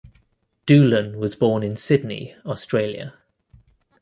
Doolan was born in Sydney, Australia.